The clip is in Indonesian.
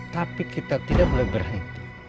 tapi kita tidak boleh berhenti